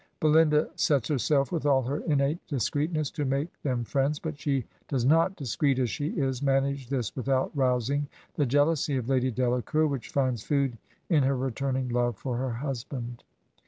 Belinda sets herself with all her innate discreetness to make them friends, but she does not, discreet as she is, manage this without rousing the jegJousy of Lady Delacour, which finds food in her returning love for her husband.